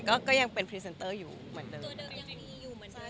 ก็ยังเป็นพรีเซนเตอร์อยู่เหมือนเดิม